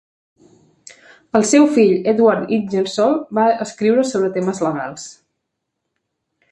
El seu fill Edward Ingersoll va escriure sobre temes legals.